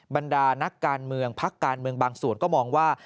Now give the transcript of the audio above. บรรดานักการเมืองพักการเมืองบางส่วนก็มองว่า